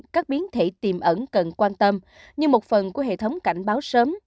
các biến thể tiềm ẩn cần quan tâm như một phần của hệ thống cảnh báo sớm